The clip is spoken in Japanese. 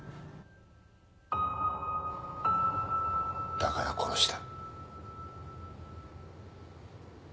だから殺した。